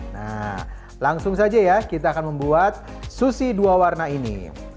nah langsung saja ya kita akan membuat sushi dua warna ini